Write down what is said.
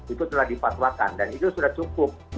itu telah dipatwakan dan itu sudah cukup